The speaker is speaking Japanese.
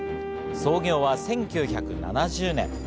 創業は１９７０年。